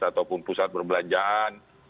ataupun pusat perbelanjaan